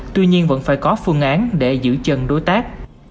tuy nhiên vẫn phải có phương án để giữ chân đối tác